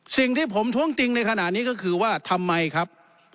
สิ่งที่ผมท้วงติงในขณะนี้ก็คือว่าทำไมครับ